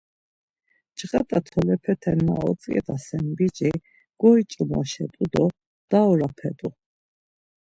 Cğat̆a tolepete na otzǩedasen biç̌i goiç̌imoşet̆u do daoropet̆u.